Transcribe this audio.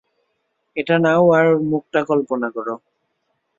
এটা নাও, আর ওর মুখটা কল্পনা করো।